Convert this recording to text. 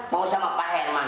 mau sama pak herman